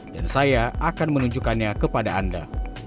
dan saya akan menunjukkannya kepada anda